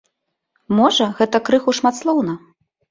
Можа, гэта крыху шматслоўна.